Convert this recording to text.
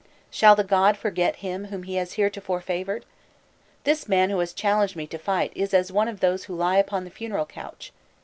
Shall the god forget him whom he has heretofore favoured? This man who has challenged me to fight is as one of those who lie upon the funeral couch.